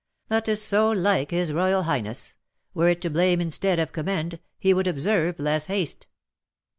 "That is so like his royal highness; were it to blame instead of commend, he would observe less haste."